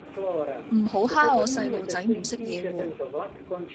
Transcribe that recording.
唔好蝦我細路仔唔識野喎